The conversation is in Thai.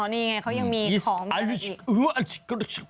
อ๋อนี่ไงเขายังมีของ